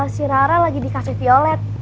si rara lagi dikasih violet